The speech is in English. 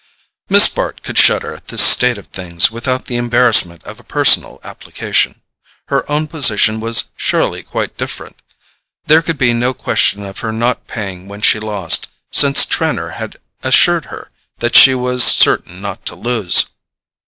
Miss Bart could shudder at this state of things without the embarrassment of a personal application. Her own position was surely quite different. There could be no question of her not paying when she lost, since Trenor had assured her that she was certain not to lose.